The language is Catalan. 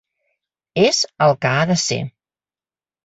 És el que ha de ser.